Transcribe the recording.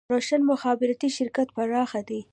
روشن مخابراتي شرکت پراخ دی